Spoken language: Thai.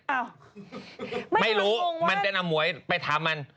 อ้าวไม่ตกลูงว่าไม่รู้มันแต่น้ำหวยไปถามมัน